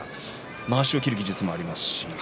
まわしを切る技術もあります。